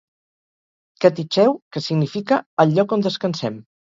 "Caticheu", que significa 'el lloc on descansem'.